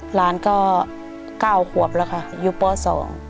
หลานก็เก้าขวบแล้วค่ะอยู่ปสอง